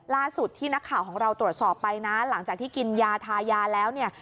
ล่าสุดที่นักข่าวของเราตรวจสอบไปนะหลังจากที่กินยาทายาแล้วเนี่ย